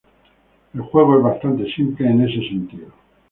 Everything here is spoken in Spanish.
El juego es bastante simple en ese sentido.